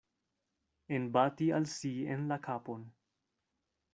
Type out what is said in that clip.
Enbati al si en la kapon.